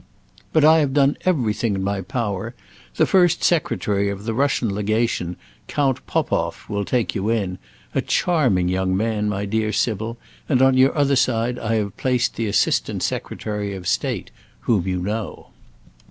But I have done everything in my power. The first Secretary of the Russian Legation, Count Popoff, will take you in; a charming young man, my dear Sybil; and on your other side I have placed the Assistant Secretary of State, whom you know."